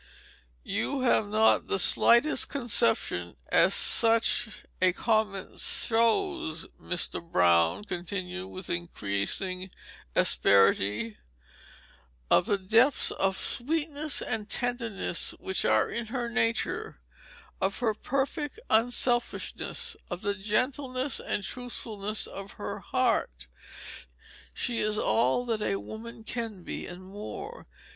"You have not the slightest conception, as such a comment shows," Mr. Brown continued, with increasing asperity, "of the depths of sweetness and tenderness which are in her nature; of her perfect unselfishness; of the gentleness and trustfulness of her heart. She is all that a woman can be, and more.